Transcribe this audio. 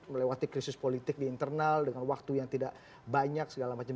melewati krisis politik di internal dengan waktu yang tidak banyak segala macam